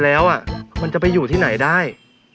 แบบนี้ก็ได้